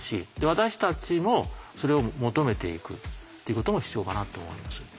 私たちもそれを求めていくっていうことも必要かなと思います。